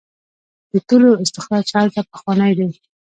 د تیلو استخراج هلته پخوانی دی.